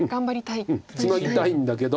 ツナぎたいんだけど。